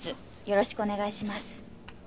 よろしくお願いします